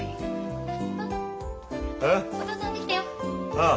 ああ。